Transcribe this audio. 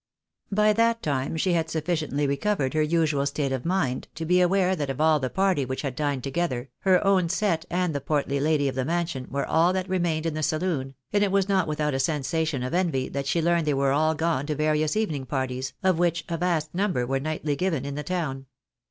By that time she had sufficiently recovered her usual state of mind to be aware that of all the party which had dined together, her own set and the portly lady of the mansion were all that remained in the saloon, and it was not without a sensation of envy that she learned they were all gone to various evening parties, of which a vast number were nightly given in the town.